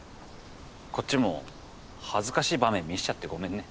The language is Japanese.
こっちも恥ずかしい場面見せちゃってごめんね。